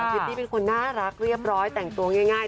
พิตตี้เป็นคนน่ารักเรียบร้อยแต่งตัวง่าย